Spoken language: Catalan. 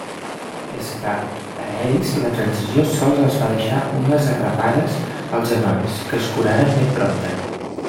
És clar, a ells la Transició sols els va deixar unes arrapades als genolls que es curaren ben prompte.